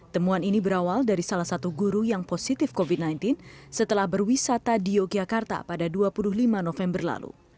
temuan ini berawal dari salah satu guru yang positif covid sembilan belas setelah berwisata di yogyakarta pada dua puluh lima november lalu